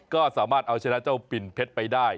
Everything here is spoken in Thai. ก็สามารถเอาชนะเจ้าปิ่นเพชรไปได้